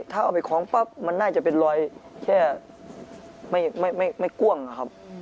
ถ้าเอาไปคล้องปั๊บมันน่าจะเป็นรอยแค่ไม่กว้างอะครับ